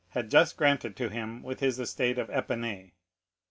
had just granted to him with his estate of Épinay.